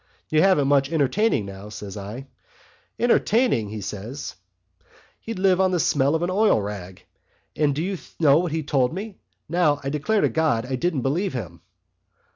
'You haven't much entertaining now,' says I. 'Entertaining!' says he. 'He'd live on the smell of an oil rag.' And do you know what he told me? Now, I declare to God I didn't believe him."